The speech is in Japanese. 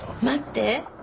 待って！